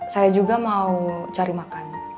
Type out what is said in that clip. saya juga mau cari makan